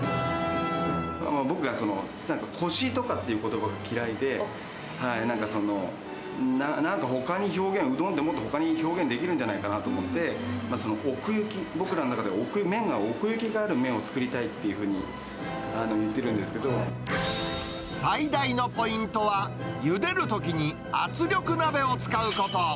僕がこしとかっていうことばが嫌いで、なんかその、なんかほかに表現、うどんってもっとほかに表現できるんじゃないかなと思って、その奥行き、僕らの中では、麺が奥行きがある麺を作りたいっ最大のポイントは、ゆでるときに圧力鍋を使うこと。